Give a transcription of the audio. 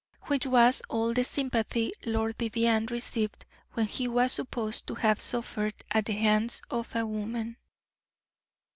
Which was all the sympathy Lord Vivianne received when he was supposed to have suffered at the hands of a woman.